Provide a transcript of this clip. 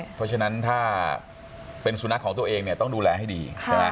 เพราะฉะนั้นถ้าเป็นสุนัขของตัวเองเนี่ยต้องดูแลให้ดีใช่ไหม